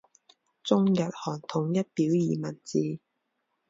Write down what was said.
中日韩统一表意文字。